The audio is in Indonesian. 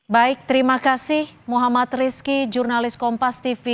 baik terima kasih muhammad rizky jurnalis kompas tv